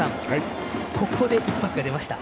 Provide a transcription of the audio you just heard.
ここで一発が出ました。